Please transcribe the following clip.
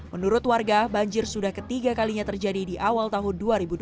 menurut warga banjir sudah ketiga kalinya terjadi di awal tahun dua ribu dua puluh